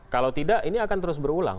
kalau tidak ini akan terus berulang